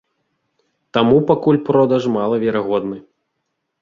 Таму пакуль продаж малаверагодны.